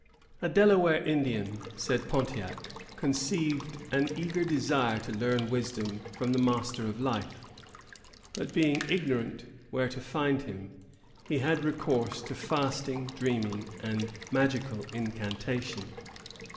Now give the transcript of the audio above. "A Delaware Indian," said Pontiac, "conceived an eager desire to learn wisdom from the Master of Life; but, being ignorant where to find him, he had recourse to fasting, dreaming, and magical incantations.